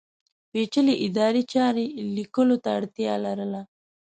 پېچلې ادارې چارې لیکلو ته اړتیا لرله.